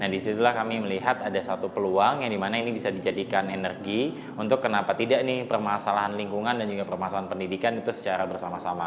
disitulah kami melihat ada satu peluang yang dimana ini bisa dijadikan energi untuk kenapa tidak nih permasalahan lingkungan dan juga permasalahan pendidikan itu secara bersama sama